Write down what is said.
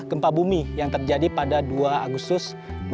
gempa bumi yang terjadi pada dua agustus dua ribu dua puluh